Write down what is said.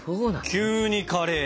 急にカレー。